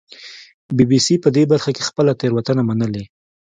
بي بي سي په دې برخه کې خپله تېروتنه منلې